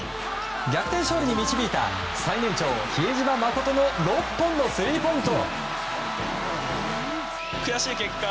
逆転勝利に導いた最年長、比江島慎の６本のスリーポイント。